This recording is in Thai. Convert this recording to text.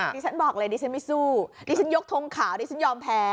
ฉันบอกเลยดิฉันไม่สู้ดิฉันยกทงขาวดิฉันยอมแพ้